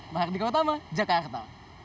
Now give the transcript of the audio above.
maha dikutama jakarta